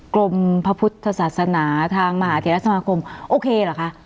กรมพระพุทธศาสนาทางมหาเทรสมาคมโอเคเหรอคะ